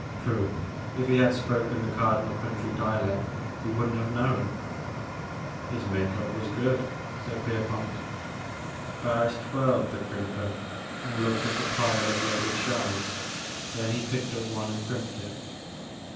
Pooh ! If he had spoken the Cardinal County dialect you would n't have known." His make up was good," said Pierpont. Barris twirled the crimper and looked at the pile of loaded shells. Then he picked up one and crimped it.